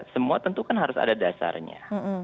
semua tentu kan harus ada dasarnya